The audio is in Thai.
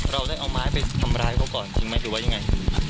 เราได้เอาไม้ไปทำร้ายเขาก่อนจริงไหมหรือว่ายังไง